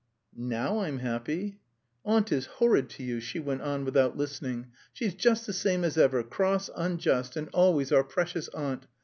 "Now I'm happy...." "Aunt is horrid to you?" she went on, without listening. "She's just the same as ever, cross, unjust, and always our precious aunt!